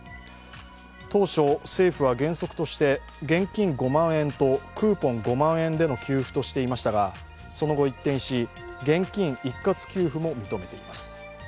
当初、政府は原則として現金５万円とクーポン５万円での給付としていましたが、その後一転し、現金一括給付も認めています。